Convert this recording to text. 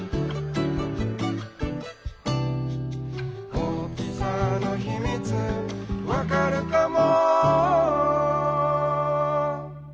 「おおきさのひみつわかるかも？」